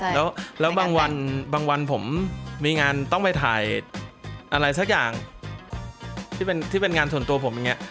แล้วบางวันบางวันผมมีงานต้องไปถ่ายอะไรสักอย่างที่เป็นงานส่วนตัวผมอย่างนี้